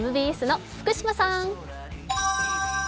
ＭＢＳの福島さん！